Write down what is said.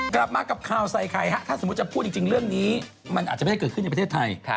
กลับมากับข่าวใส่ไข่ฮะถ้าสมมุติจะพูดจริงเรื่องนี้มันอาจจะไม่ได้เกิดขึ้นในประเทศไทย